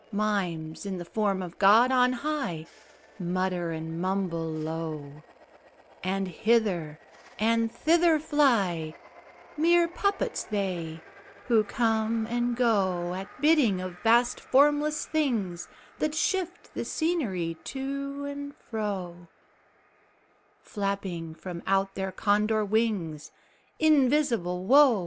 Mimes, in the form of God on high, Mutter and mumble low, And hither and thither fly Mere puppets they, who come and go At bidding of vast formless things That shift the scenery to and fro, Flapping from out their Condor wings Invisible Wo!